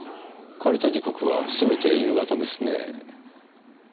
借りた時刻はすべて夕方ですね。